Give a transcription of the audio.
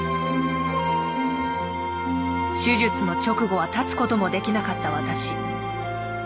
手術の直後は立つこともできなかった私。